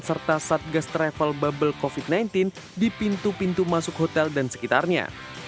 serta satgas travel bubble covid sembilan belas di pintu pintu masuk hotel dan sekitarnya